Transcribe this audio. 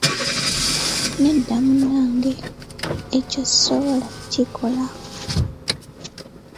Nedda munange, ekyo sisobola kukikola.